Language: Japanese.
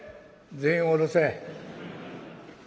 全員下ろせ。